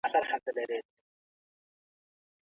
په پلي تګ کې هوا نه ککړېږي.